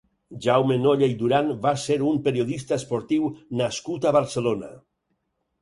Jaume Nolla i Durán va ser un periodista esportiu nascut a Barcelona.